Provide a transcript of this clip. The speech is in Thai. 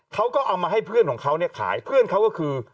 เขาก็เอามาให้เพื่อนของเขาเนี่ยขายเพื่อนเขาก็คือ